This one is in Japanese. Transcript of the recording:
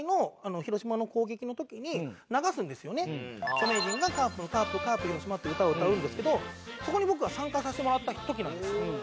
著名人が「カープカープカープ広島」って歌を歌うんですけどそこに僕が参加させてもらった時なんです。